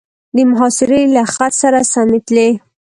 د محاصرې له خط سره سمې تلې.